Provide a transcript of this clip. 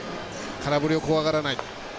空振りを怖がらない。